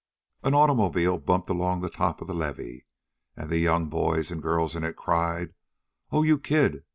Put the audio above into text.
An automobile bumped along on top of the levee, and the young boys and girls in it cried, "Oh, you kid!"